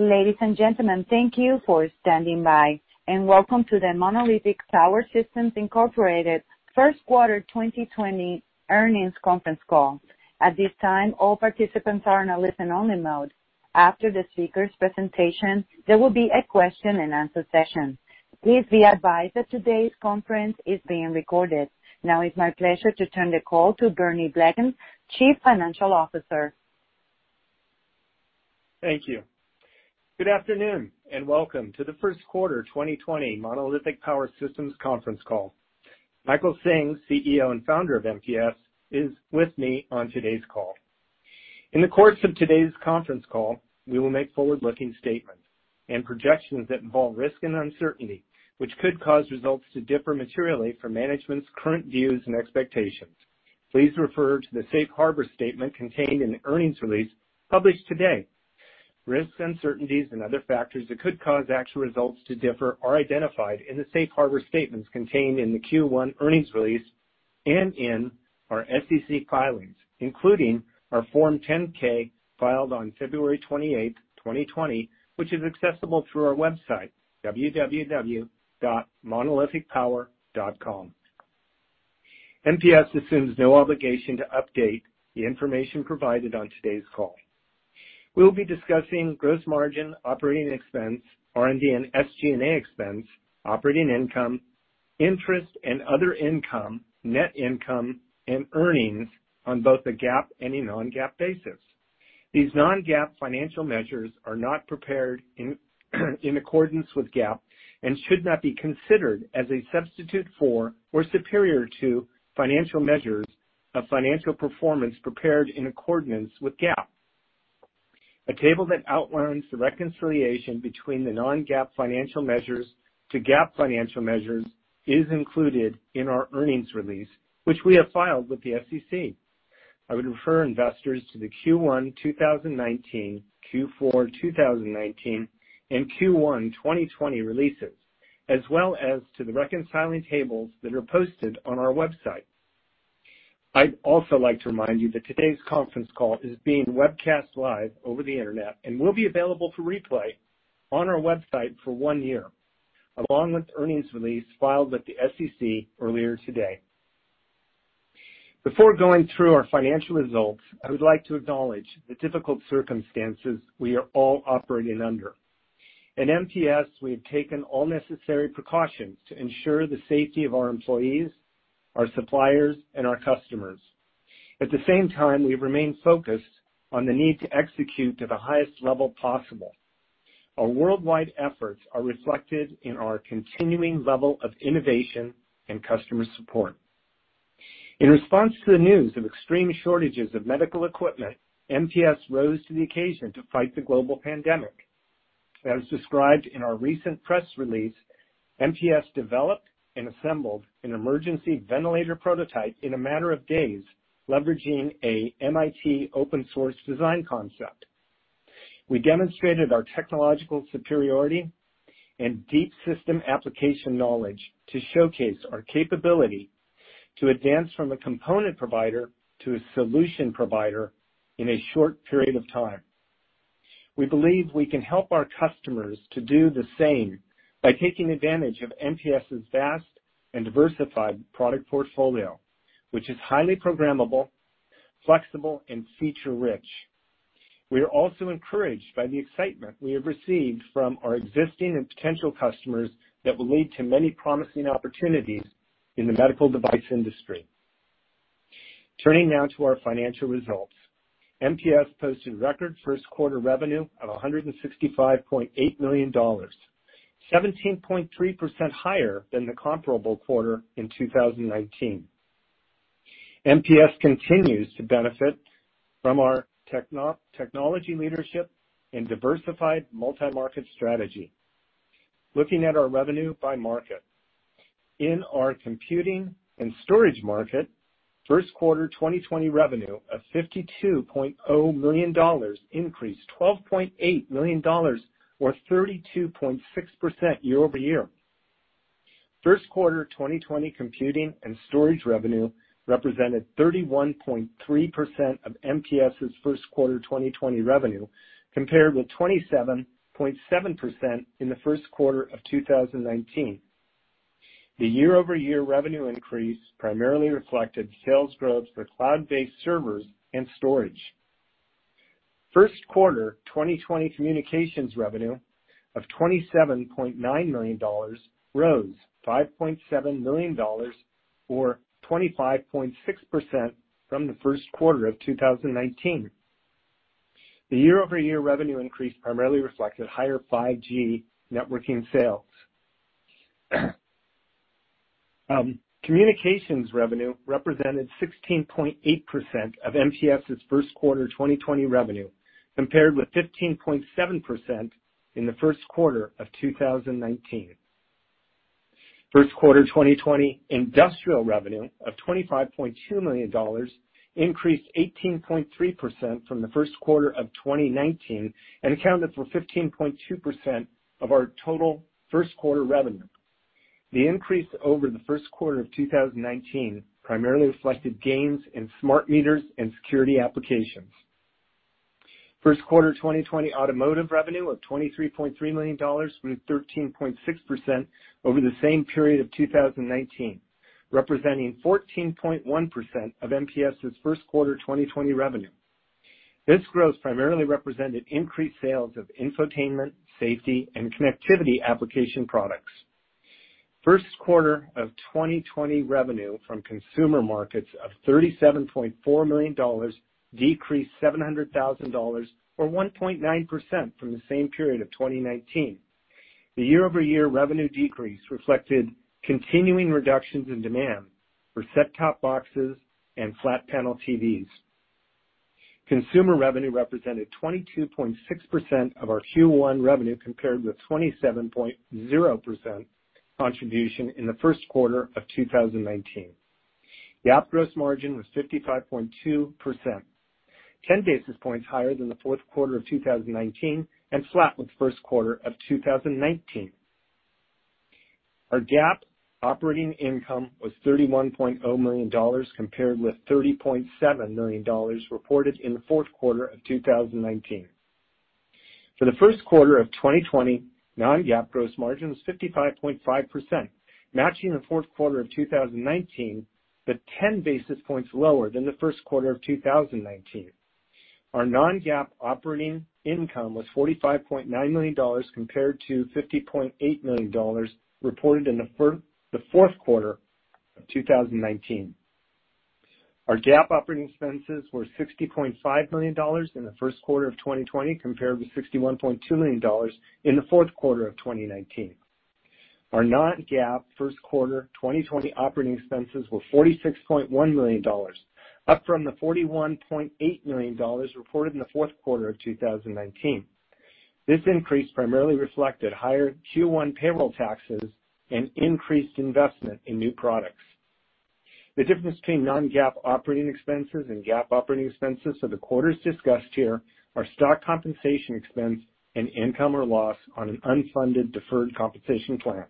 Ladies and gentlemen, thank you for standing by, and welcome to the Monolithic Power Systems, Inc., first quarter 2020 earnings conference call. At this time, all participants are in a listen-only mode. After the speakers' presentation, there will be a question-and-answer session. Please be advised that today's conference is being recorded. Now it's my pleasure to turn the call to Bernie Blegen, Chief Financial Officer. Thank you. Good afternoon, welcome to the first-quarter 2020 Monolithic Power Systems conference call. Michael Hsing, CEO and Founder of MPS, is with me on today's call. In the course of today's conference call, we will make forward-looking statements and projections that involve risk and uncertainty, which could cause results to differ materially from management's current views and expectations. Please refer to the safe harbor statement contained in the earnings release published today. Risks, uncertainties, and other factors that could cause actual results to differ are identified in the safe harbor statements contained in the Q1 earnings release and in our SEC filings, including our Form 10-K filed on February 28, 2020, which is accessible through our website, www.monolithicpower.com. MPS assumes no obligation to update the information provided on today's call. We'll be discussing gross margin, operating expense, R&D and SG&A expense, operating income, interest and other income, net income, and earnings on both a GAAP and a non-GAAP basis. These non-GAAP financial measures are not prepared in accordance with GAAP and should not be considered as a substitute for or superior to financial measures of financial performance prepared in accordance with GAAP. A table that outlines the reconciliation between the non-GAAP financial measures to GAAP financial measures is included in our earnings release, which we have filed with the SEC. I would refer investors to the Q1 2019, Q4 2019, and Q1 2020 releases, as well as to the reconciling tables that are posted on our website. I'd also like to remind you that today's conference call is being webcast live over the internet and will be available for replay on our website for one year, along with the earnings release filed with the SEC earlier today. Before going through our financial results, I would like to acknowledge the difficult circumstances we are all operating under. At MPS, we have taken all necessary precautions to ensure the safety of our employees, our suppliers, and our customers. At the same time, we have remained focused on the need to execute to the highest level possible. Our worldwide efforts are reflected in our continuing level of innovation and customer support. In response to the news of extreme shortages of medical equipment, MPS rose to the occasion to fight the global pandemic. As described in our recent press release, MPS developed and assembled an emergency ventilator prototype in a matter of days, leveraging an MIT open-source design concept. We demonstrated our technological superiority and deep system application knowledge to showcase our capability to advance from a component provider to a solution provider in a short period of time. We believe we can help our customers to do the same by taking advantage of MPS's vast and diversified product portfolio, which is highly programmable, flexible, and feature-rich. We are also encouraged by the excitement we have received from our existing and potential customers, that will lead to many promising opportunities in the medical device industry. Turning now to our financial results. MPS posted record first-quarter revenue of $165.8 million, 17.3% higher than the comparable quarter in 2019. MPS continues to benefit from our technology leadership and diversified multi-market strategy. Looking at our revenue by market. In our computing and storage market, first quarter 2020 revenue of $52.0 million increased to $12.8 million, or 32.6% year-over-year. First quarter 2020 computing and storage revenue represented 31.3% of MPS's first quarter 2020 revenue, compared with 27.7% in the first quarter of 2019. The year-over-year revenue increase primarily reflected sales growth for cloud-based servers and storage. First quarter 2020 communications revenue of $27.9 million rose to $5.7 million, or 25.6%, from the first quarter of 2019. The year-over-year revenue increase primarily reflected higher 5G networking sales. Communications revenue represented 16.8% of MPS's first quarter 2020 revenue, compared with 15.7% in the first quarter of 2019. First quarter 2020 industrial revenue of $25.2 million increased 18.3% from the first quarter of 2019 and accounted for 15.2% of our total first quarter revenue. The increase over the first quarter of 2019 primarily reflected gains in smart meters and security applications. First quarter 2020 automotive revenue of $23.3 million grew 13.6% over the same period of 2019, representing 14.1% of MPS's first quarter 2020 revenue. This growth primarily represented increased sales of infotainment, safety, and connectivity application products. First quarter of 2020 revenue from consumer markets of $37.4 million, decreased $700,000, or 1.9%, from the same period of 2019. The year-over-year revenue decrease reflected continuing reductions in demand for set-top boxes and flat-panel TVs. Consumer revenue represented 22.6% of our Q1 revenue, compared with 27.0% contribution in the first quarter of 2019. The GAAP gross margin was 55.2%, 10 basis points higher than the fourth quarter of 2019, and flat with the first quarter of 2019. Our GAAP operating income was $31.0 million, compared with $30.7 million reported in the fourth quarter of 2019. For the first quarter of 2020, non-GAAP gross margin was 55.5%, matching the fourth quarter of 2019, but 10 basis points lower than the first quarter of 2019. Our non-GAAP operating income was $45.9 million, compared to $50.8 million reported in the fourth quarter of 2019. Our GAAP operating expenses were $60.5 million in the first quarter of 2020, compared with $61.2 million in the fourth quarter of 2019. Our non-GAAP first quarter 2020 operating expenses were $46.1 million, up from the $41.8 million reported in the fourth quarter of 2019. This increase primarily reflected higher Q1 payroll taxes and increased investment in new products. The difference between non-GAAP operating expenses and GAAP operating expenses of the quarters discussed here are stock compensation expense and income or loss on an unfunded deferred compensation plan.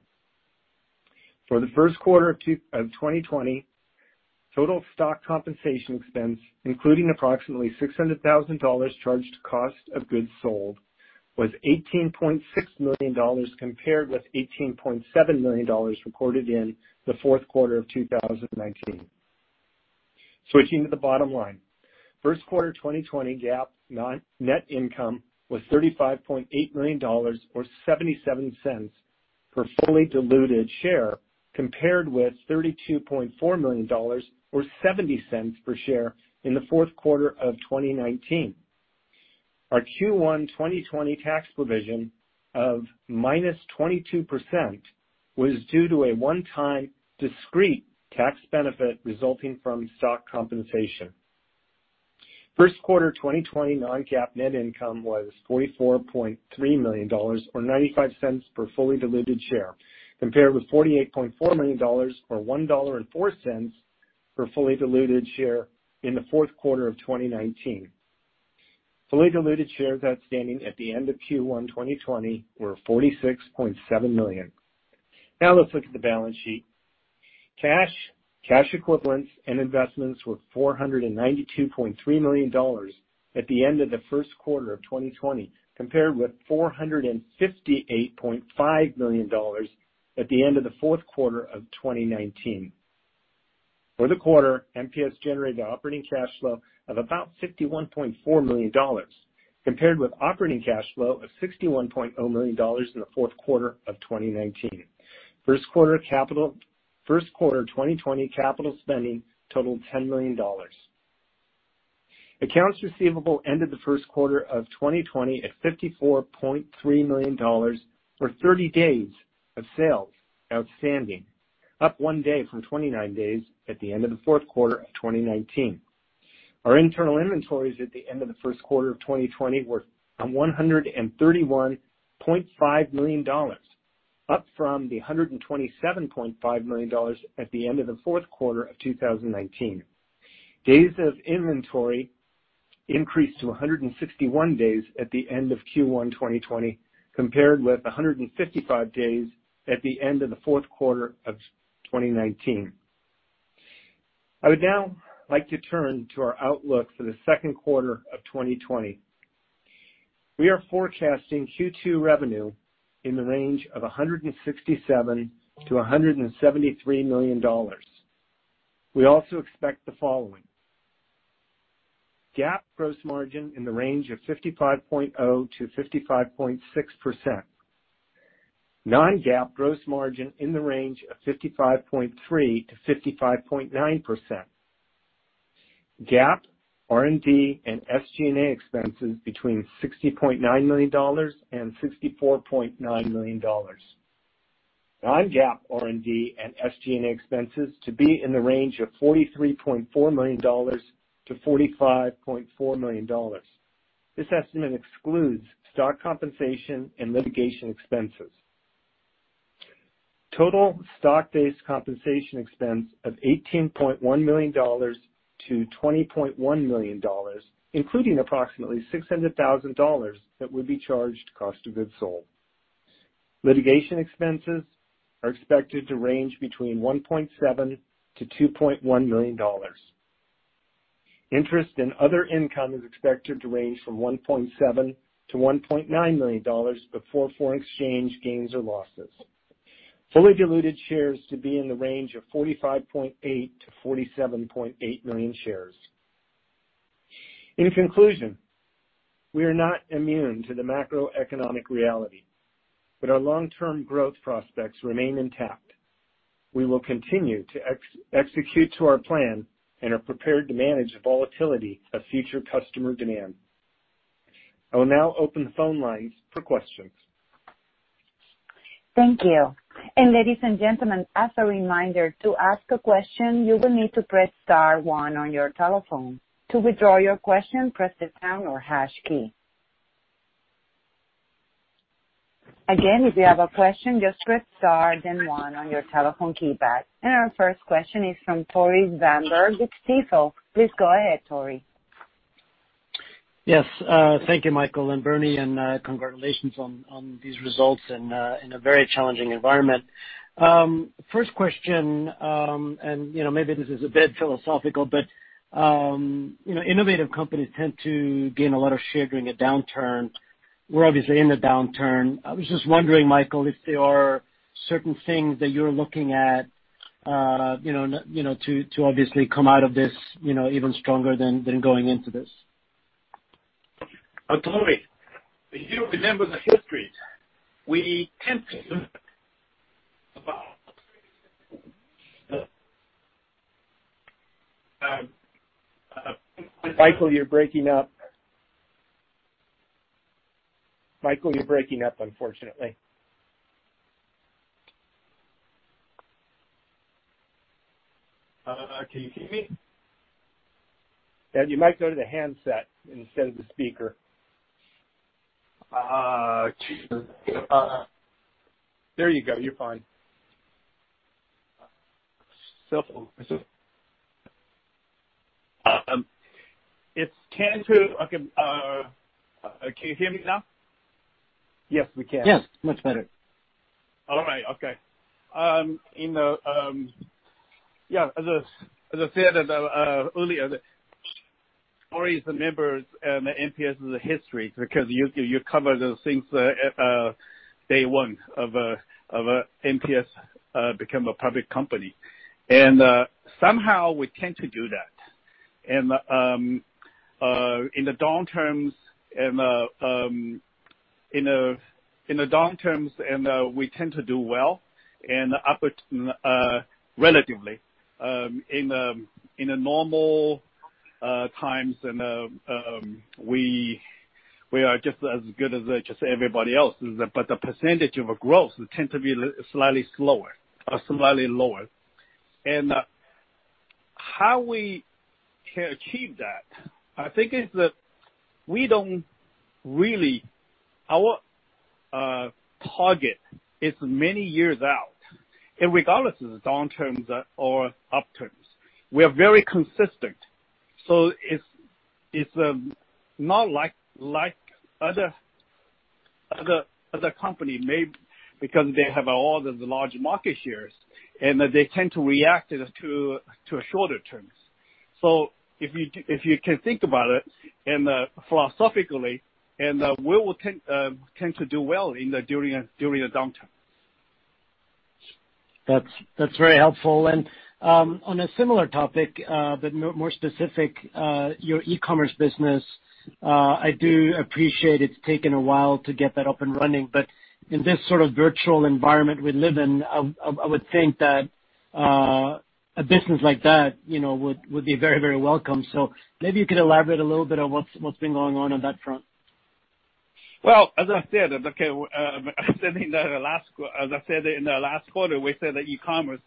For the first quarter of 2020, total stock compensation expense, including approximately $600,000 charged to cost of goods sold, was $18.6 million, compared with $18.7 million reported in the fourth quarter of 2019. Switching to the bottom line. First quarter 2020 GAAP net income was $35.8 million, or $0.77 per fully diluted share, compared with $32.4 million, or $0.70 per share in the fourth quarter of 2019. Our Q1 2020 tax provision of -22% was due to a one-time discrete tax benefit resulting from stock compensation. First quarter 2020 non-GAAP net income was $44.3 million, or $0.95 per fully diluted share, compared with $48.4 million, or $1.04 per fully diluted share, in the fourth quarter of 2019. Fully diluted shares outstanding at the end of Q1 2020 were 46.7 million. Let's look at the balance sheet. Cash, cash equivalents, and investments were $492.3 million at the end of the first quarter of 2020, compared with $458.5 million at the end of the fourth quarter of 2019. For the quarter, MPS generated operating cash flow of about $51.4 million, compared with operating cash flow of $61.0 million in the fourth quarter of 2019. First quarter 2020 capital spending totaled $10 million. Accounts receivable ended the first quarter of 2020 at $54.3 million, or 30 days of sales outstanding, up one day from 29 days at the end of the fourth quarter of 2019. Our internal inventories at the end of the first quarter of 2020 were $131.5 million, up from the $127.5 million at the end of the fourth quarter of 2019. Days of inventory increased to 161 days at the end of Q1 2020, compared with 155 days at the end of the fourth quarter of 2019. I would now like to turn to our outlook for the second quarter of 2020. We are forecasting Q2 revenue in the range of $167 million-$173 million. We also expect the following: GAAP gross margin in the range of 55.0%-55.6%. Non-GAAP gross margin in the range of 55.3%-55.9%. GAAP R&D and SG&A expenses between $60.9 million and $64.9 million. Non-GAAP R&D and SG&A expenses to be in the range of $43.4 million-$45.4 million. This estimate excludes stock compensation and litigation expenses. Total stock-based compensation expense of $18.1 million To $20.1 million, including approximately $600,000 that would be charged to cost of goods sold. Litigation expenses are expected to range between $1.7 million-$2.1 million. Interest and other income is expected to range from $1.7 million-$1.9 million before foreign exchange gains or losses. Fully diluted shares to be in the range of 45.8 million-47.8 million shares. In conclusion, we are not immune to the macroeconomic reality, but our long-term growth prospects remain intact. We will continue to execute to our plan and are prepared to manage the volatility of future customer demand. I will now open the phone lines for questions. Thank you. Ladies and gentlemen, as a reminder, to ask a question, you will need to press star one on your telephone. To withdraw your question, press the pound or hash key. Again, if you have a question, just press star then one on your telephone keypad. Our first question is from Tore Svanberg with Stifel. Please go ahead, Tore. Yes. Thank you, Michael and Bernie. Congratulations on these results in a very challenging environment. First question, and maybe this is a bit philosophical, but innovative companies tend to gain a lot of share during a downturn. We're obviously in the downturn. I was just wondering, Michael, if there are certain things that you're looking at to obviously come out of this even stronger than going into this. Tore, if you remember the history we tend to learn about. Michael, you're breaking up. Michael, you're breaking up, unfortunately. Can you hear me? Yeah. You might go to the handset instead of the speaker. There you go. You're fine. Can you hear me now? Yes, we can. Yes, much better. All right. Okay. As I said earlier, Tore is a member in the MPS's history because you covered those things on day one of MPS becoming a public company. Somehow, we tend to do that. In the downturns, we tend to do well, and upward relatively. In normal times, we are just as good as just everybody else; the percentage of growth tends to be slightly slower or slightly lower. How we can achieve that, I think, is that our target is many years out, irregardless of the downturns or upturns. We are very consistent, it's not like other companies, maybe because they have all the large market shares, and they tend to react to a shorter term. If you can think about it philosophically, and we will tend to do well during a downturn. That's very helpful. On a similar topic, but more specific, your e-commerce business, I do appreciate it's taken a while to get that up and running, but in this sort of virtual environment we live in, I would think that a business like that would be very welcome. Maybe you could elaborate a little bit on what's been going on that front. Well, as I said in the last quarter, we said that e-commerce,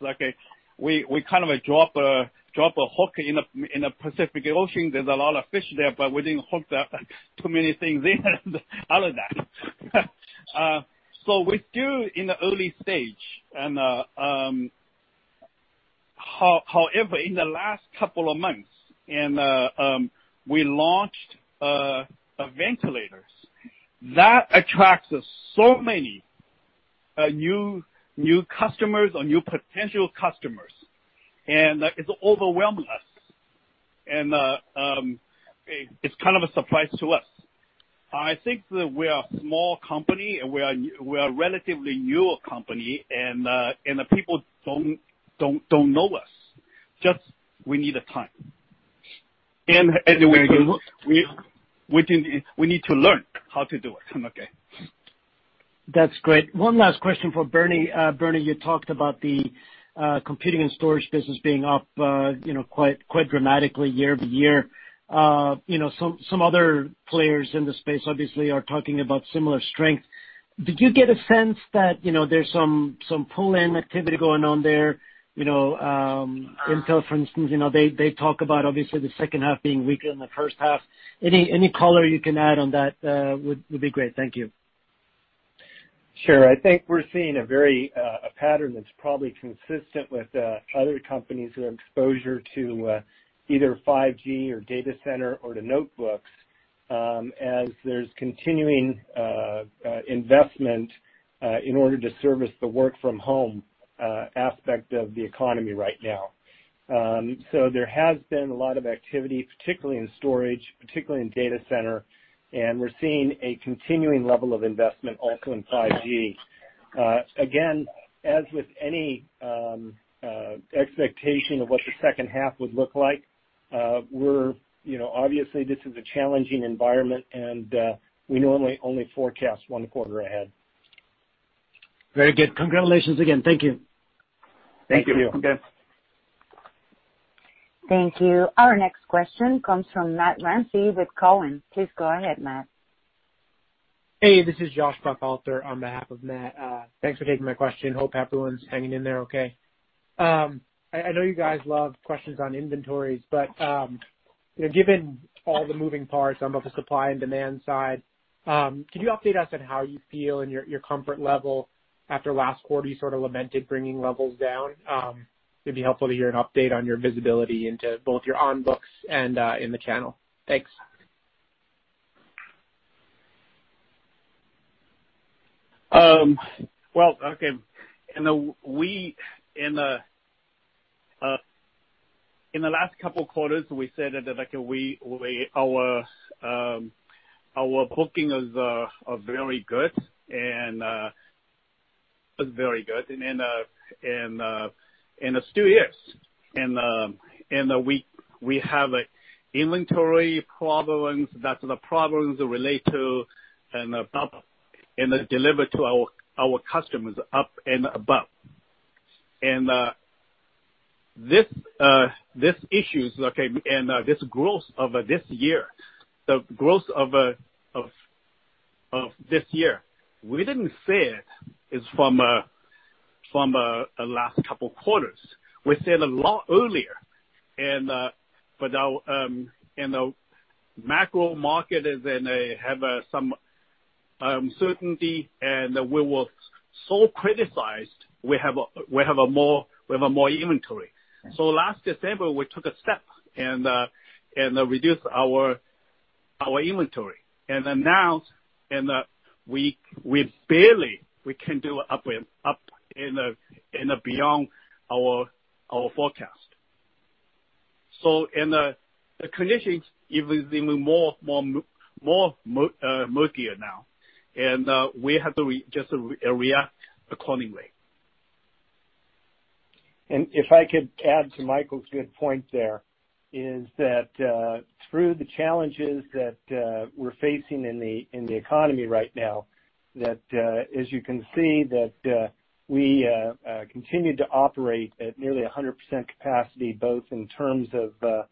we kind of dropped a hook in the Pacific Ocean. There's a lot of fish there, but we didn't hook that too many things in out of that. We're still in the early stage. However, in the last couple of months, we launched ventilators. That attracts so many new customers or new potential customers, and it overwhelmed us, and it's kind of a surprise to us. I think that we are a small company, and we are a relatively new company, and the people don't know us. We just need some time. We need to learn how to do it. That's great. One last question for Bernie. Bernie, you talked about the computing and storage business being up quite dramatically year-over-year. Some other players in the space obviously are talking about similar strength. Did you get a sense that there's some pull-in activity going on there? Intel, for instance, talks about, obviously, the second half being weaker than the first half. Any color you can add on that would be great. Thank you. Sure. I think we're seeing a pattern that's probably consistent with other companies who have exposure to either 5G or data center or to notebooks, as there's continuing investment in order to service the work-from-home aspect of the economy right now. There has been a lot of activity, particularly in storage particularly in data centers, and we're seeing a continuing level of investment also in 5G. Again, as with any expectation of what the second half would look like, obviously, this is a challenging environment, and we normally only forecast one quarter ahead. Very good. Congratulations again. Thank you. Thank you. Thank you. Okay. Thank you. Our next question comes from Matt Ramsay with Cowen. Please go ahead, Matt. Hey, this is Joshua Buchalter on behalf of Matt. Thanks for taking my question. Hope everyone's hanging in there okay. I know you guys love questions on inventories, but given all the moving parts on both the supply and demand side, could you update us on how you feel and your comfort level? After last quarter, you sort of lamented bringing levels down. It'd be helpful to hear an update on your visibility into both your on books and in the channel. Thanks. Okay. In the last couple of quarters, we said that our bookings is very good. It still is. We have inventory problems. That's the problems related to and delivered to our customers up and above. This issue, and this growth of this year, we didn't say it is from the last couple of quarters. We said a lot earlier. The macro market have some uncertainty, and we were so criticized. We have more inventory. Right. Last December, we took a step and reduced our inventory. Now, we can barely do up and beyond our forecast. The conditions are even more murkier now, and we have to just react accordingly. If I could add to Michael's good point there, is that through the challenges that we're facing in the economy right now, as you can see that, we continue to operate at nearly 100% capacity, both in terms of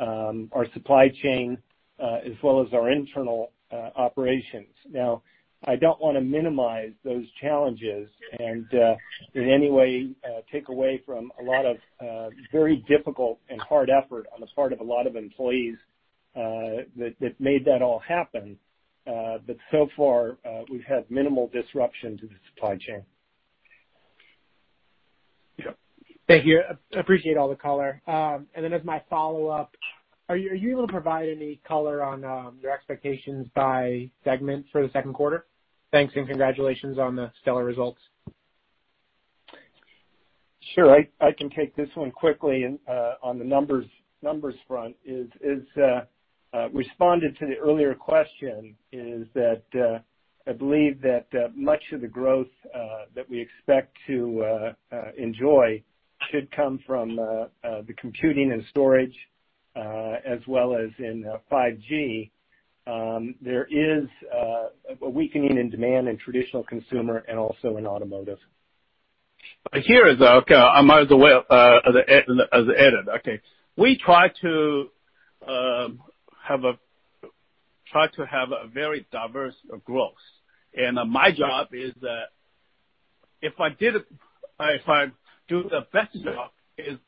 our supply chain as well as our internal operations. Now, I don't want to minimize those challenges and in any way take away from a lot of very difficult and hard effort on the part of a lot of employees that made that all happen. So far, we've had minimal disruption to the supply chain. Yeah. Thank you. Appreciate all the color. As my follow-up, are you able to provide any color on your expectations by segment for the second quarter? Thanks. Congratulations on the stellar results. Sure. I can take this one quickly on the numbers front. Responded to the earlier question is that I believe that much of the growth that we expect to enjoy should come from computing and storage, as well as in 5G. There is a weakening in demand in the traditional consumer and also in the automotive. Here is, okay, I might as well edit, okay. We try to have a very diverse growth. My job is that if I do the best job is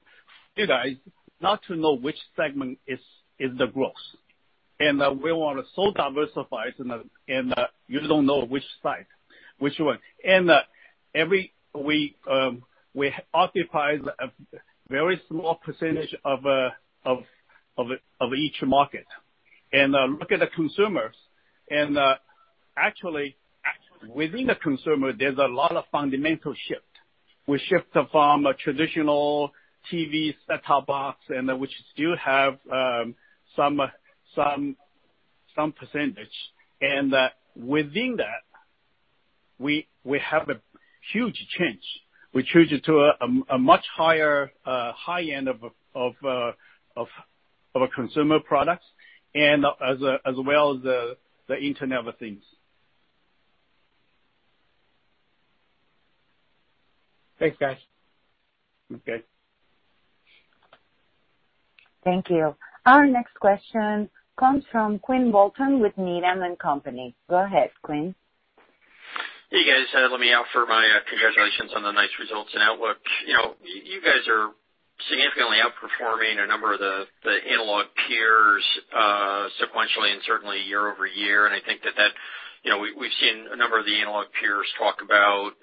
not to know which segment is the growth. We want to so diversify, and you don't know which side, which one. Every week, we occupy a very small percentage of each market. Look at the consumers. Actually, within the consumer, there's a lot of fundamental shift. We shift from a traditional TV set-top box, and we still have some percentage. Within that, we have a huge change. We change it to a much higher high end of consumer products, and as well as the Internet of Things. Thanks, guys. Okay. Thank you. Our next question comes from Quinn Bolton with Needham & Company. Go ahead, Quinn. Hey, guys. Let me offer my congratulations on the nice results and outlook. You guys are significantly outperforming a number of the analog peers sequentially and certainly year-over-year. I think that we've seen a number of the analog peers talk about,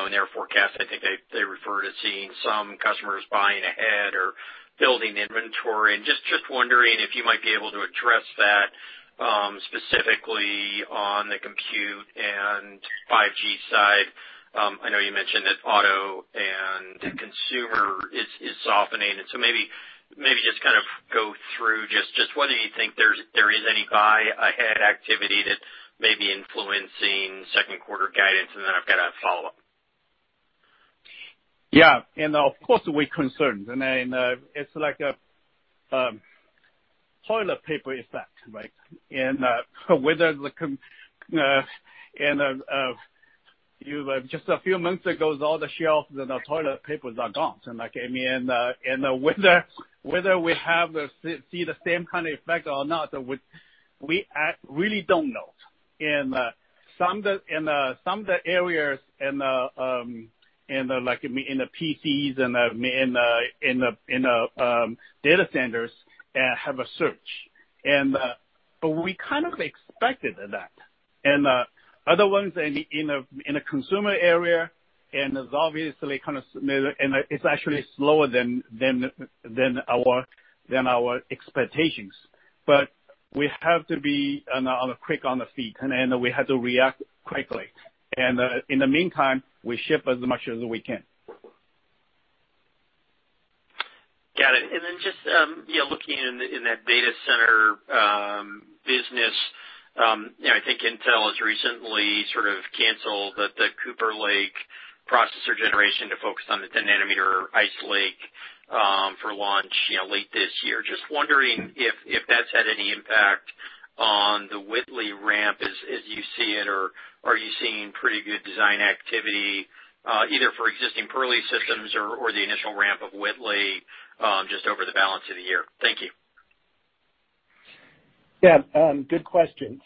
in their forecast, I think they refer to seeing some customers buying ahead or building inventory. Just wondering if you might be able to address that, specifically on the compute and 5G side. I know you mentioned that auto and consumer is softening. Maybe just go through just whether you think there is any buy-ahead activity that may be influencing second-quarter guidance? I've got a follow-up. Yeah. Of course, we're concerned. It's like a toilet paper effect, right? Just a few months ago, all the shelves and the toilet papers are gone. Whether we see the same kind of effect or not, we really don't know. In some of the areas, like in the PCs and in the data centers, have a surge. We kind of expected that. Other ones in the consumer area, and it's actually slower than our expectations. We have to be quick on the feet, and we have to react quickly. In the meantime, we ship as much as we can. Got it. Then, just looking in that data center business, I think Intel has recently sort of canceled the Cooper Lake processor generation to focus on the 10-nm Ice Lake for launch late this year. Just wondering if that's had any impact on the Whitley ramp as you see it, or are you seeing pretty good design activity, either for existing Purley systems or the initial ramp of Whitley, just over the balance of the year? Thank you. Yeah. Good question.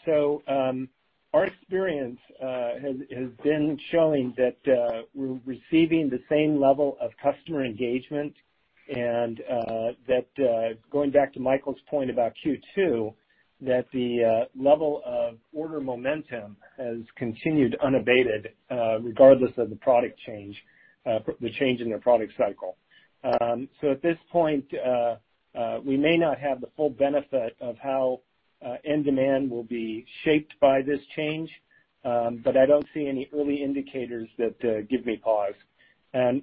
Our experience has been showing that we're receiving the same level of customer engagement and that, going back to Michael's point about Q2, the level of order momentum has continued unabated, regardless of the change in the product cycle. At this point, we may not have the full benefit of how end demand will be shaped by this change, but I don't see any early indicators that give me pause.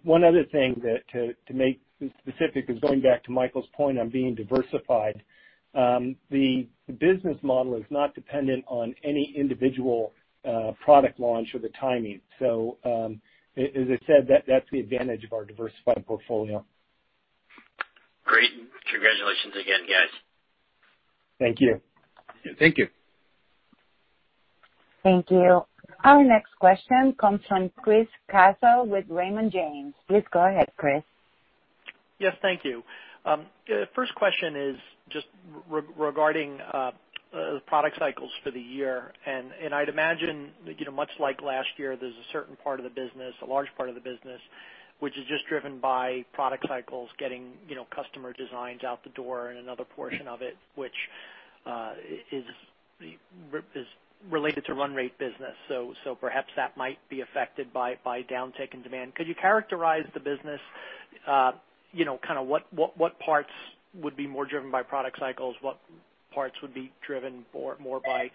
One other thing to make specific is going back to Michael's point on being diversified. The business model is not dependent on any individual product launch with the timing. As I said, that's the advantage of our diversified portfolio. Great. Congratulations again, guys. Thank you. Thank you. Thank you. Our next question comes from Chris Caso with Raymond James. Please go ahead, Chris. Yes, thank you. First question is just regarding product cycles for the year. I'd imagine, much like last year, there's a certain part of the business, a large part of the business, which is just driven by product cycles, getting customer designs out the door, and another portion of it, which is related to run-rate business. Perhaps that might be affected by a downtick in demand. Could you characterize the business, kind of what parts would be more driven by product cycles, what parts would be driven more by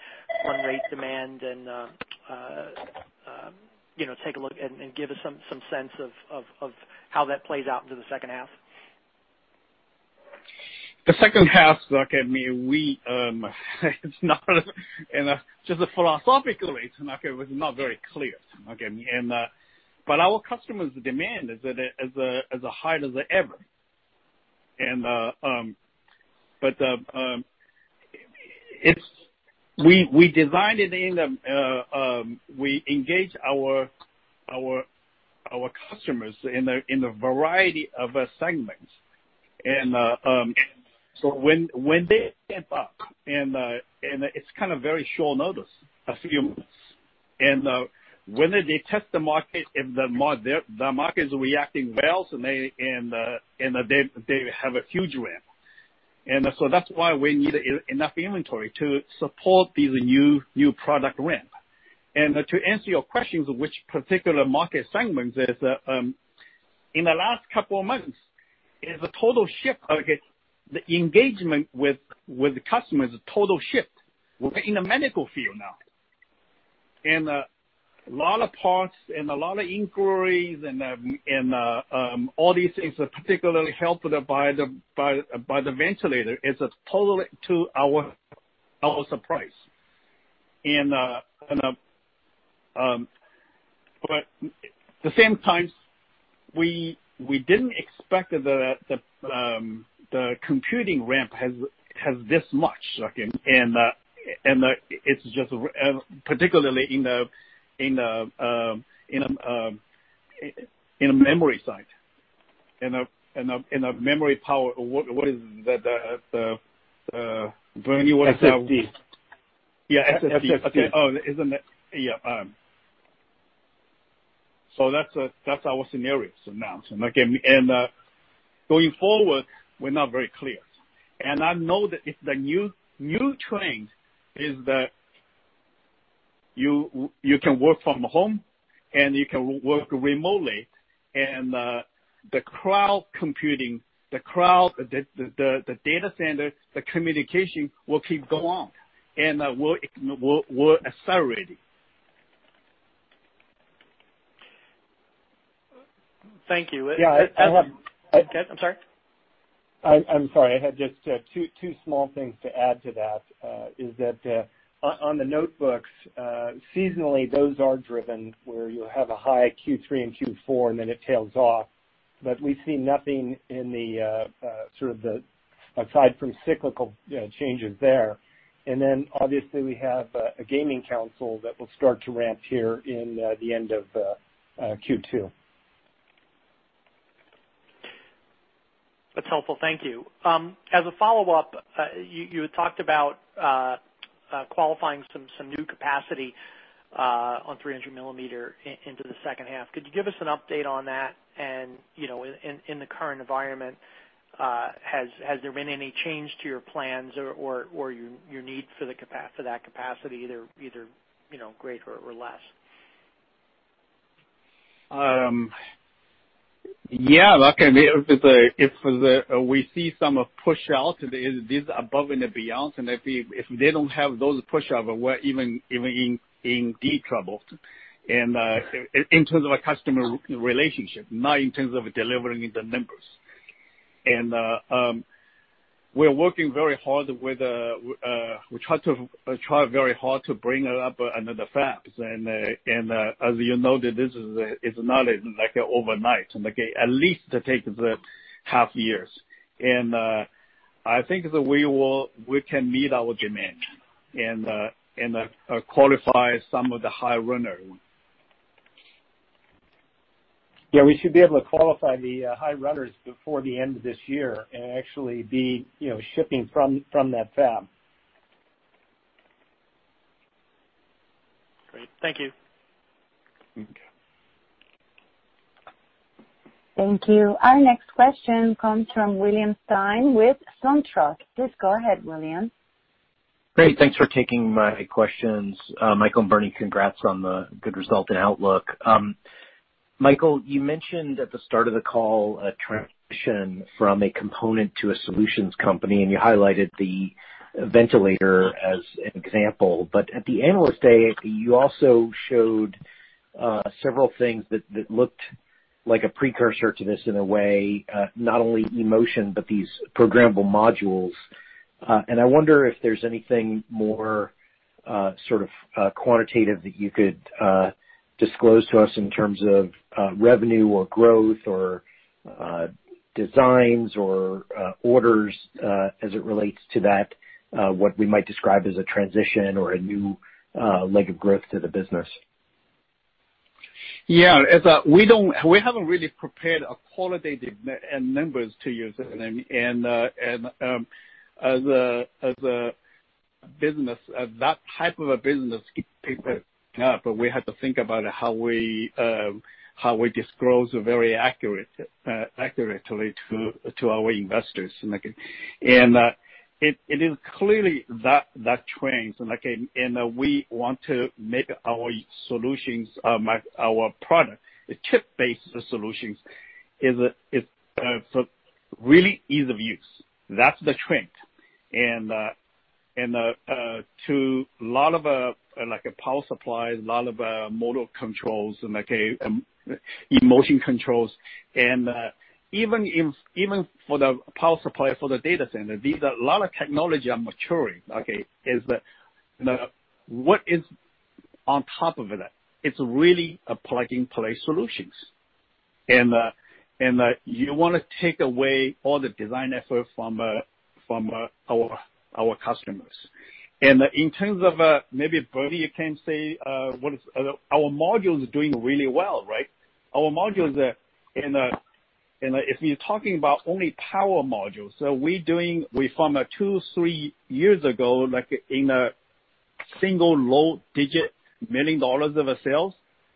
run rate demand, and take a look and give us some sense of how that plays out into the second half? The second half, just philosophically, it was not very clear. Our customers' demand is as high as ever. We engage our customers in a variety of segments. When they step up, and it's kind of very short notice, a few months. When they test the market, if the market is reacting well, they have a huge ramp. That's why we need enough inventory to support the new product ramp. To answer your questions of which particular market segments, in the last couple of months, the engagement with the customers total shift. We're in the medical field now. A lot of parts and a lot of inquiries, and all these things are particularly helped by the ventilator. It's totally to our surprise. At the same time, we didn't expect the computing ramp has this much. It's just particularly in the memory side, in the memory power. What is that, Bernie? SSD. Yeah. SSD. That's our scenarios now. Going forward, we're not very clear. I know that the new trend is that you can work from home, and you can work remotely, and the cloud computing, the cloud, the data center, the communication will keep going and will accelerate. Thank you. Yeah. I'm sorry? I'm sorry. I had just two small things to add to that, is that on the notebooks, seasonally, those are driven where you have a high Q3 and Q4, it tails off. We see nothing aside from cyclical changes there. Obviously, we have a gaming console that will start to ramp here in the end of Q2. That's helpful. Thank you. As a follow-up, you had talked about qualifying some new capacity on 300 mm into the second half. Could you give us an update on that, and in the current environment, has there been any change to your plans or your need for that capacity, either greater or less? Yeah. If we see some push out, this is above and beyond; if they don't have those push out, we're even in deep trouble. In terms of customer relationship, not in terms of delivering the numbers. We're working very hard. We try very hard to bring up another fab. As you know, this is not overnight. At least it takes half years. I think that we can meet our demand and qualify some of the high runners. Yeah, we should be able to qualify the high runners before the end of this year and actually be shipping from that fab. Great. Thank you. Okay. Thank you. Our next question comes from William Stein with SunTrust. Please go ahead, William. Great. Thanks for taking my questions. Michael and Bernie, congrats on the good result and outlook. Michael, you mentioned at the start of the call a transition from a component to a solutions company, and you highlighted the ventilator as an example. At the Analyst Day, you also showed several things that looked like a precursor to this in a way, not only eMotion, but these programmable modules. I wonder if there's anything more quantitative that you could disclose to us in terms of revenue or growth or designs or orders as it relates to that, what we might describe as a transition or a new leg of growth to the business. Yeah. We haven't really prepared qualitative numbers to use. That type of a business is picking up, but we have to think about how we disclose very accurately to our investors. It is clear that trend, and we want to make our solutions, our product, chip-based solutions, is really easy to use. That's the trend. To a lot of power supplies, a lot of motor controls, eMotion controls, and even for the power supply for the data center, these are a lot of technology are maturing. What is on top of that? It's really a plug-and-play solution. You want to take away all the design effort from our customers. In terms of, maybe Bernie, you can say, our modules are doing really well, right? Our modules, if you're talking about only power modules, so from two to three years ago, in a single low-digit million dollars of sales,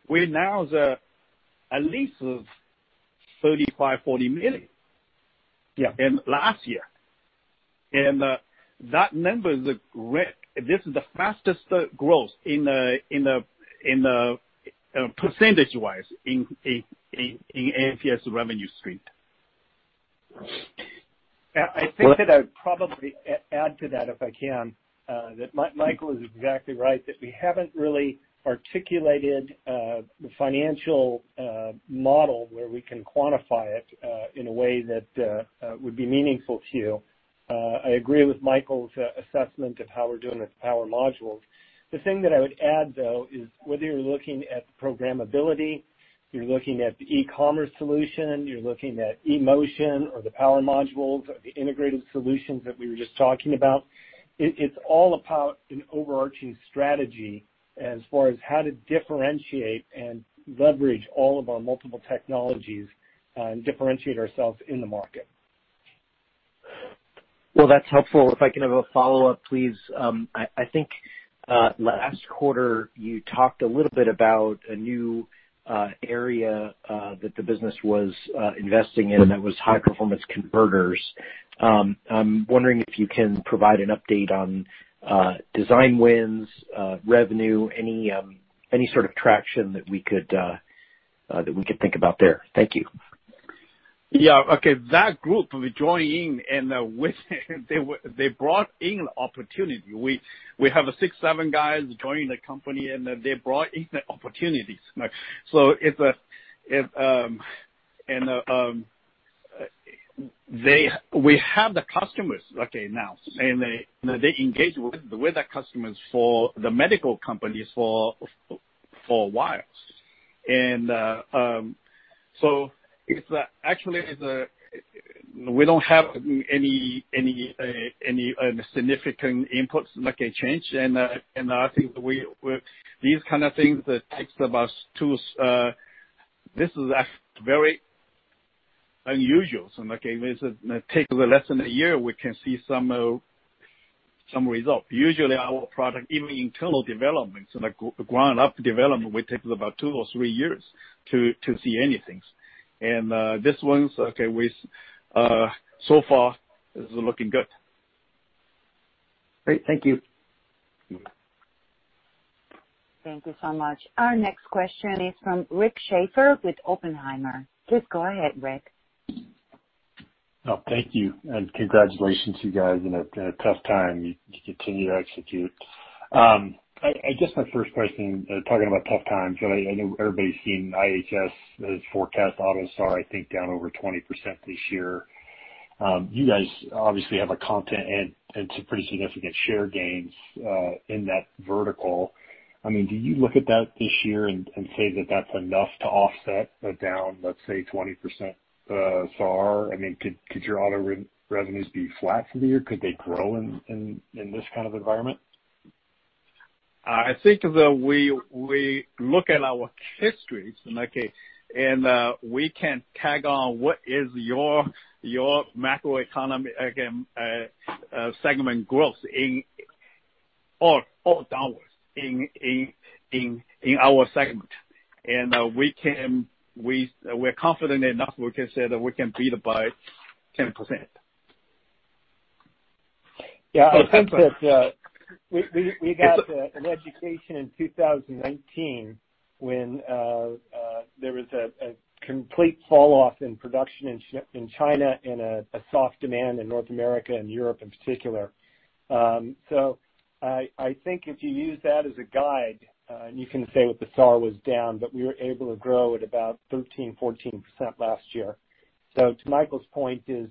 we're now at least $35 million-$40 million. Yeah. In last year. That number is great. This is the fastest growth percentage-wise in the MPS revenue stream. I think that I'd probably add to that, if I can. That Michael is exactly right, that we haven't really articulated the financial model where we can quantify it in a way that would be meaningful to you. I agree with Michael's assessment of how we're doing with power modules. The thing that I would add, though, is whether you're looking at programmability, you're looking at the e-commerce solution, you're looking at eMotion, or the power modules or the integrated solutions that we were just talking about, it's all about an overarching strategy as far as how to differentiate and leverage all of our multiple technologies and differentiate ourselves in the market. That's helpful. If I can have a follow-up, please. I think last quarter, you talked a little bit about a new area that the business was investing in that was high-performance converters. I'm wondering if you can provide an update on design wins, revenue, and any sort of traction that we could think about there. Thank you. Yeah. Okay. That group will be joining, and they brought in an opportunity. We have six, seven guys joining the company, and they brought in the opportunities. We have the customers now, and they engage with the customers for the medical companies for wires. Actually, we don't have any significant inputs that can change. I think these kinds of things it takes about two. This is very unusual. It takes less than a year, and we can see some results. Usually, our product, even internal developments, like ground-up development, will take us about two or three years to see anything. This one, so far, is looking good. Great. Thank you. Thank you so much. Our next question is from Rick Schafer with Oppenheimer. Please go ahead, Rick. Oh, thank you, and congratulations to you guys in a tough time. You continue to execute. I guess my first question, talking about tough times, I know everybody's seen the IHS forecast autos are, I think, down over 20% this year. You guys obviously have content and some pretty significant share gains in that vertical. Do you look at that this year and say that that's enough to offset a down, let's say, 20% SAR? Could your auto revenues be flat for the year? Could they grow in this kind of environment? I think that we look at our histories, and we can tag on what is your macroeconomy segment growth all downwards in our segment. We're confident enough we can say that we can beat it by 10%. Yeah, I think that we got an education in 2019 when there was a complete falloff in production in China and a soft demand in North America and Europe in particular. I think if you use that as a guide, and you can say that the SAR was down, but we were able to grow at about 13%, 14% last year. To Michael's point is,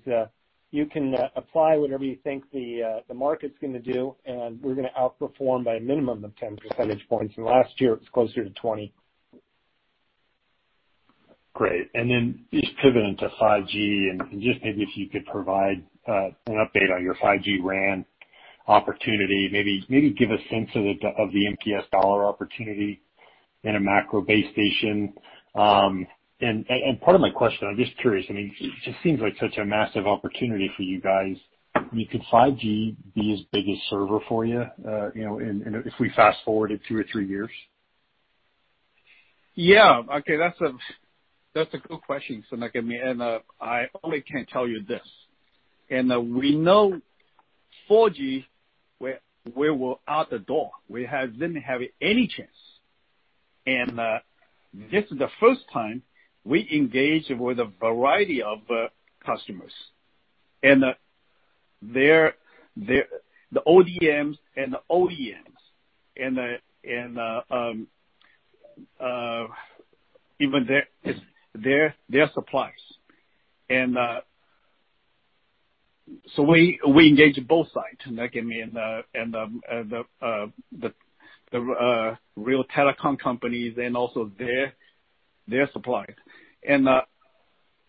you can apply whatever you think the market's going to do, and we're going to outperform by a minimum of 10 percentage points. Last year, it was closer to 20 percentage points. Great. Just pivoting to 5G, and just maybe if you could provide an update on your 5G RAN opportunity, maybe give a sense of the MPS dollar opportunity in a macro base station. Part of my question, I'm just curious, it just seems like such a massive opportunity for you guys. Could 5G be as big a server for you, if we fast-forward it two or three years? Yeah. Okay. That's a good question. I can only tell you this: we know 4G, we were out the door. We didn't have any chance. This is the first time we engaged with a variety of customers, the ODMs and the OEMs, and even their suppliers. We engage both sides, the real telecom companies and also their suppliers.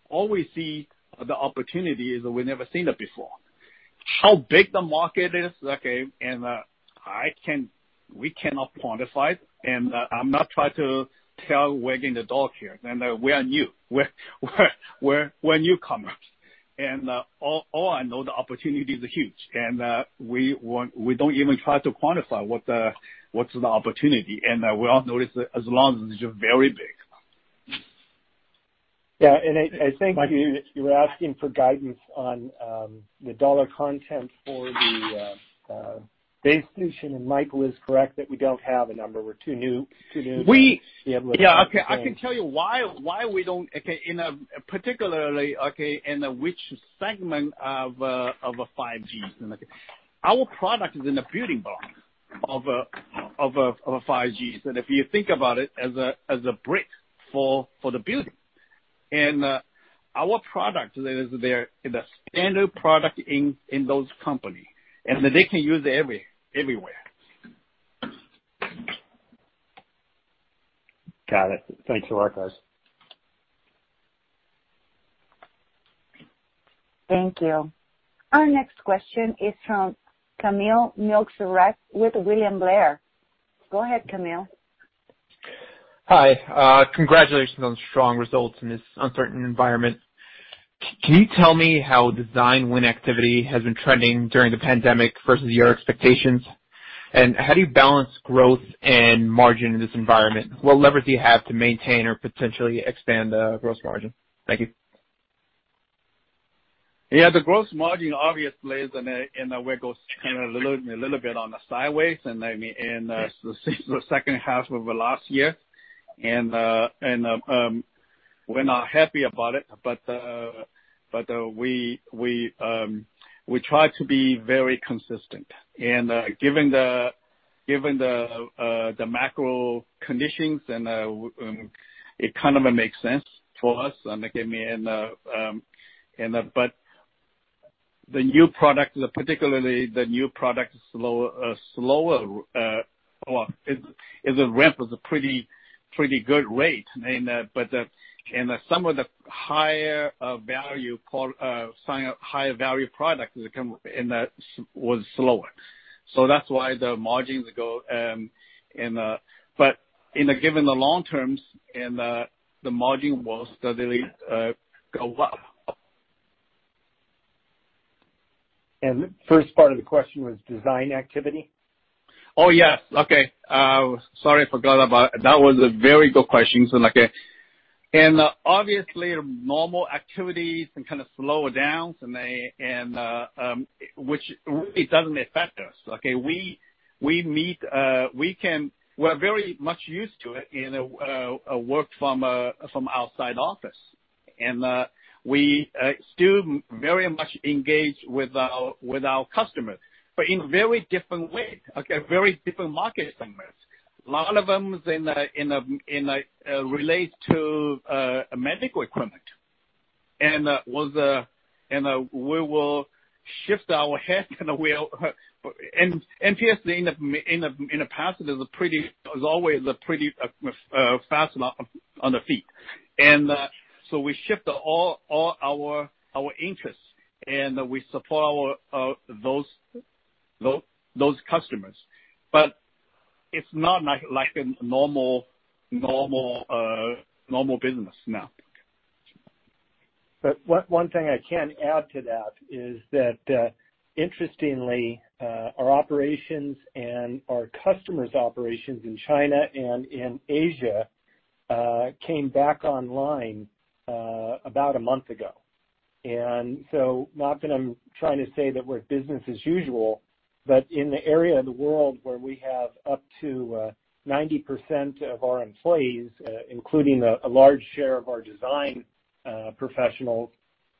All we see are the opportunities that we've never seen before. How big the market is, we cannot quantify it, and I'm not trying to wag the dog here. We are new. We're newcomers. All I know, the opportunity is huge, and we don't even try to quantify what the opportunity is. We all know this, as long as it's very big. Yeah. I think you were asking for guidance on the dollar content for the base station, and Michael is correct that we don't have a number. We're too new to be able. Yeah. Okay. I can tell you why we don't, particularly, in which segment of 5G. Our product is in the building block of 5G. If you think about it as a brick for the building, and our product is the standard product in those companies, and they can use it everywhere. Got it. Thanks a lot, guys. Thank you. Our next question is from Kamil Mielczarek with William Blair. Go ahead, Kamil. Hi. Congratulations on strong results in this uncertain environment. Can you tell me how the design win activity has been trending during the pandemic versus your expectations? How do you balance growth and margin in this environment? What leverage do you have to maintain or potentially expand gross margin? Thank you. Yeah, the gross margin obviously is, the way it goes kind of a little bit on the sideways in the second half of the last year. We're not happy about it, but we try to be very consistent. Given the macro conditions, and it kind of makes sense for us. The new product, particularly the new product, its ramp is a pretty good rate. Some of the higher value products was slower. That's why the margins go. In the long term, the margin will steadily go up. First part of the question was a design activity. Yes. Okay. Sorry, I forgot about it. That was a very good question. Obviously, normal activities kind of slow down, which really doesn't affect us. Okay. We're very much used to it, working from outside the office. We still very much engage with our customers, but in very different ways, okay. Very different market segments. A lot of them relate to medical equipment. We will shift our heads. MPS, in the past, is always pretty fast on the feet. So we shift all our interests, and we support those customers. It's not like a normal business now. One thing I can add to that is that, interestingly, our operations and our customers' operations in China and in Asia came back online about one month ago. Not that I'm trying to say that we're business as usual, but in the area of the world where we have up to 90% of our employees, including a large share of our design professionals,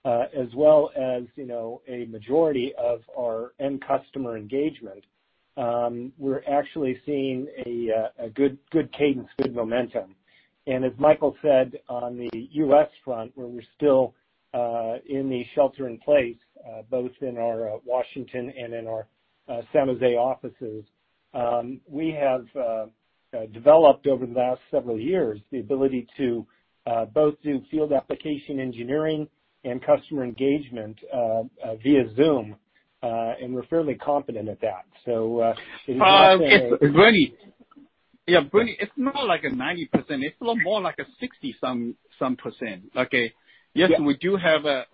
as well as a majority of our end customer engagement, we're actually seeing a good cadence, good momentum. As Michael said, on the U.S. front, where we're still in the shelter in place, both in our Washington and in our San Jose offices, we have developed over the last several years the ability to both do field application engineering and customer engagement via Zoom. We're fairly competent at that. Yeah. Bernie, it's not like 90%. It's more like 60%-some. Okay? Yeah. Yes, we do have a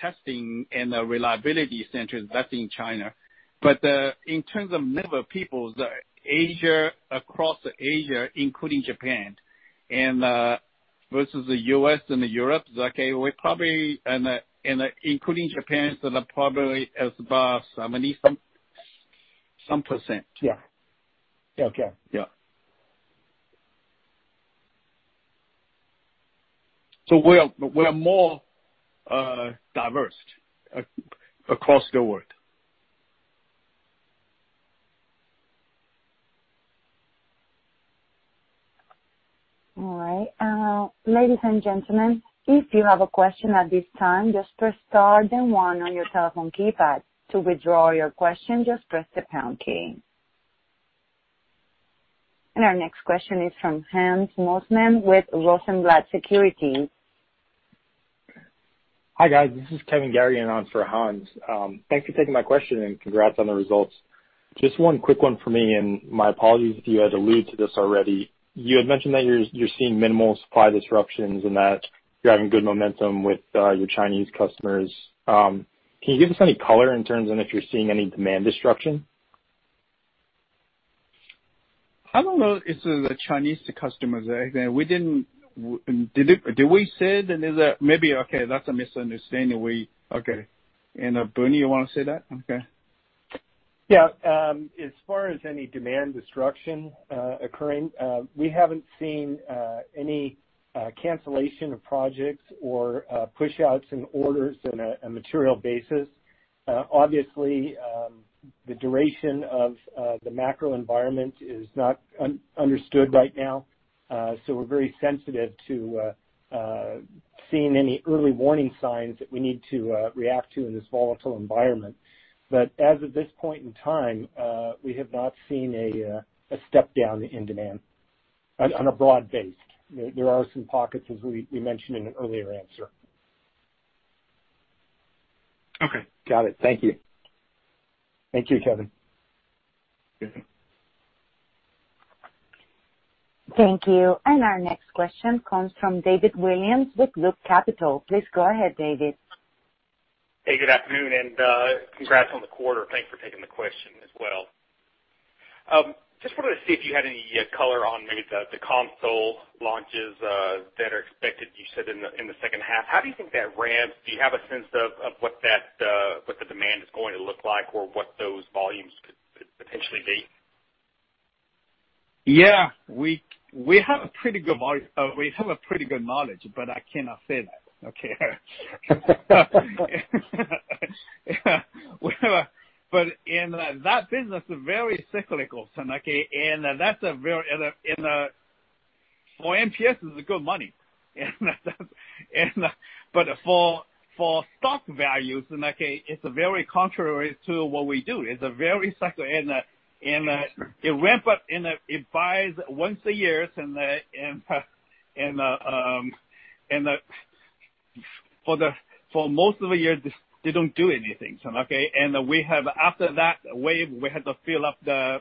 testing and a reliability center that's in China. In terms of the number of people, across Asia, including Japan, and versus the U.S. and Europe, okay, including Japan, so that probably is about 70%-some. Yeah. Okay. Yeah. We are more diverse across the world. All right. Ladies and gentlemen, if you have a question at this time, just press star then one on your telephone keypad. To withdraw your question, just press the pound key. Our next question is from Hans Mosesmann with Rosenblatt Securities. Hi, guys. This is Kevin Garrigan in on for Hans. Thanks for taking my question, and congrats on the results. Just one quick one for me, and my apologies if you had alluded to this already. You had mentioned that you're seeing minimal supply disruptions and that you're having good momentum with your Chinese customers. Can you give us any color in terms of if you're seeing any demand destruction? I don't know if it's the Chinese customers. Did we say that? Maybe, okay, that's a misunderstanding. Okay. Bernie, you want to say that? Okay. As far as any demand destruction occurring, we haven't seen any cancellation of projects or push-outs in orders on a material basis. Obviously, the duration of the macro environment is not understood right now. We're very sensitive to seeing any early warning signs that we need to react to in this volatile environment. As of this point in time, we have not seen a step-down in demand on a broad base. There are some pockets, as we mentioned in an earlier answer. Okay. Got it. Thank you. Thank you, Kevin. Thank you. Our next question comes from David Williams with Loop Capital. Please go ahead, David. Hey, good afternoon, and congrats on the quarter. Thanks for taking the question as well. Just wanted to see if you had any color on maybe the console launches that are expected, you said in the second half. How do you think that ramps? Do you have a sense of what the demand is going to look like or what those volumes could potentially be? Yeah. We have a pretty good knowledge, but I cannot say that. Okay? In that business, very cyclical. For MPS, it's good money. For stock values, it's very contrary to what we do. It's very cyclical, and it buys once a year, and for most of the year, they don't do anything. After that wave, we have to fill up the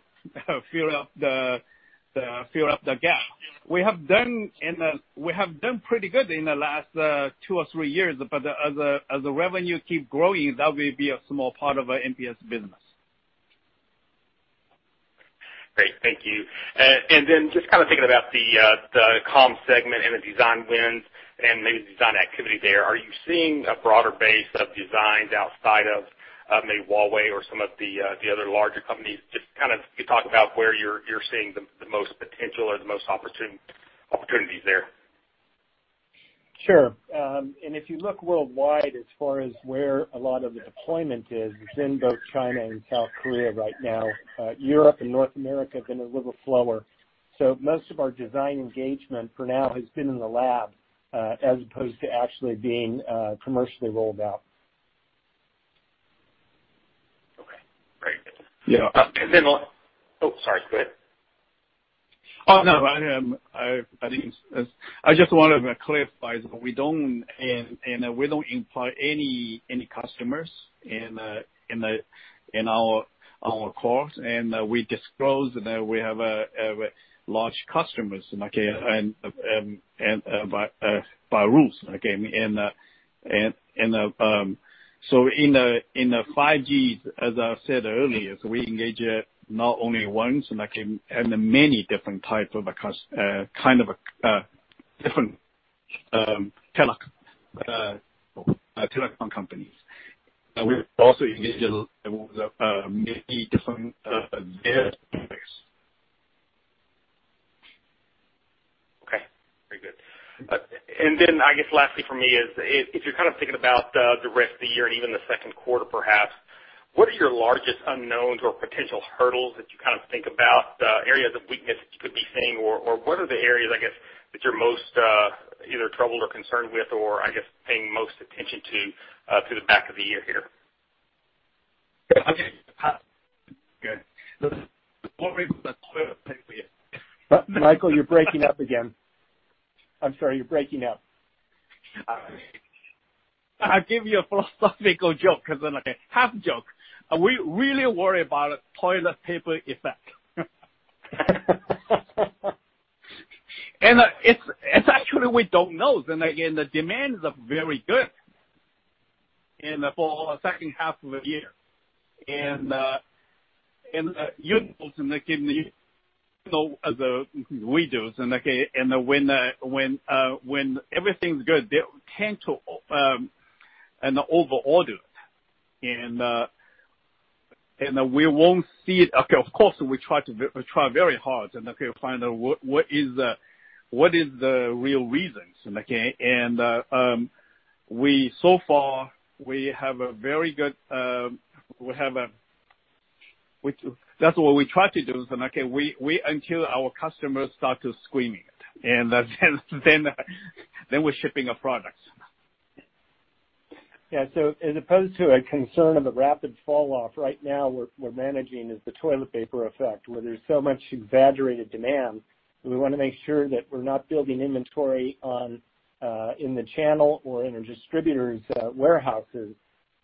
gap. We have done pretty good in the last two or three years, but as the revenue keeps growing, that will be a small part of our MPS business. Great. Thank you. Just kind of thinking about the comm segment and the design wins and maybe the design activity there, are you seeing a broader base of designs outside of maybe Huawei or some of the other larger companies? Just kind of, can you talk about where you're seeing the most potential or the most opportunities there? Sure. If you look worldwide, as far as where a lot of the deployment is, it's in both China and South Korea right now. Europe and North America have been a little slower. Most of our design engagement for now has been in the lab as opposed to actually being commercially rolled out. Okay, great. Yeah. Oh, sorry. Go ahead. Oh, no, I just wanted to clarify, we don't employ any customers in our calls, and we disclose that we have large customers by rule. In 5G, as I said earlier, we engage not only once and many different telecom companies. We also engage with many different things. Okay. Very good. I guess lastly from me is, if you're kind of thinking about the rest of the year and even the second quarter perhaps, what are your largest unknowns or potential hurdles that you kind of think about, areas of weakness that you could be seeing, or what are the areas, I guess, that you're most either troubled or concerned with or I guess paying most attention to through the back of the year here? Okay. Good. What we. Michael, you're breaking up again. I'm sorry. You're breaking up. I'll give you a philosophical joke, half joke. We really worry about the toilet paper effect. Actually, we don't know. Again, the demands are very good for the second half of the year. You folks in the As we do, and when everything's good, they tend to overorder, and we won't see it. Of course, we try very hard to find out what is the real reasons. So far, that's what we try to do. Until our customers start to screaming, and then we're shipping a product. Yeah. As opposed to a concern of a rapid fall off, right now, what we're managing is the toilet paper effect, where there's so much exaggerated demand, we want to make sure that we're not building inventory in the channel or in our distributors' warehouses.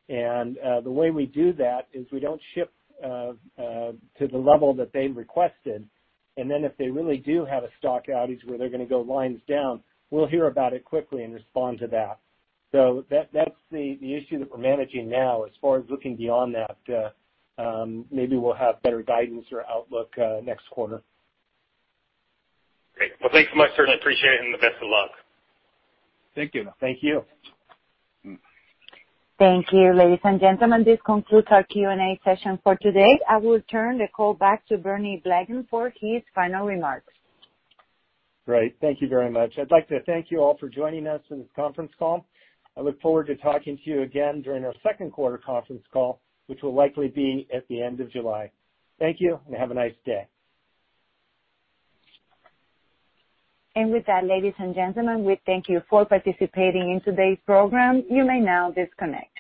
The way we do that is we don't ship to the level that they requested, and then if they really do have a stock outage where they're going to go lines down, we'll hear about it quickly and respond to that. That's the issue that we're managing now. As far as looking beyond that, maybe we'll have better guidance or outlook next quarter. Great. Well, thanks so much, sir. I appreciate it, and the best of luck. Thank you. Thank you. Thank you, ladies and gentlemen. This concludes our Q&A session for today. I will turn the call back to Bernie Blegen for his final remarks. Great. Thank you very much. I'd like to thank you all for joining us in this conference call. I look forward to talking to you again during our second-quarter conference call, which will likely be at the end of July. Thank you, and have a nice day. With that, ladies and gentlemen, we thank you for participating in today's program. You may now disconnect.